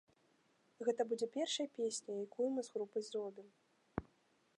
Гэта будзе першай песняй, якую мы з групай зробім.